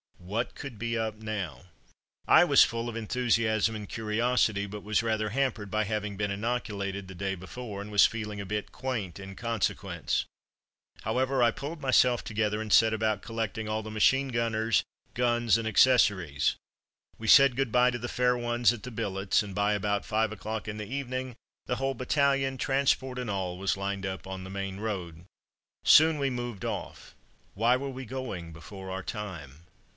What could be up now? I was full of enthusiasm and curiosity, but was rather hampered by having been inoculated the day before, and was feeling a bit quaint in consequence. However, I pulled myself together, and set about collecting all the machine gunners, guns and accessories. We said good bye to the fair ones at the billets, and by about five o'clock in the evening the whole battalion, transport and all, was lined up on the main road. Soon we moved off. Why were we going before our time?